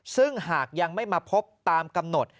ซึ่งหากยังไม่มาพบตามกำหนด